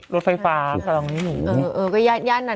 รถไฟฟ้าสร้างมิถุเออเออก็ยาดยานนั้น